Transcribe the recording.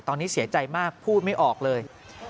ตอนนี้เสียใจมากพูดไม่ออกเลย